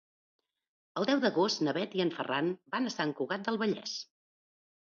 El deu d'agost na Bet i en Ferran van a Sant Cugat del Vallès.